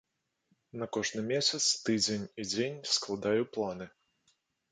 На кожны месяц, тыдзень і дзень складаю планы.